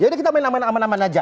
yaudah kita main aman aman aja